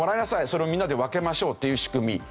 それをみんなで分けましょうっていう仕組み。